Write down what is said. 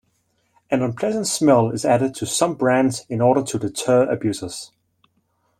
An unpleasant smell is added to some brands in order to deter abusers.